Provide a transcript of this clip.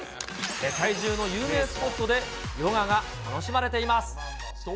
世界中の有名スポットで、ヨガが楽しまれています。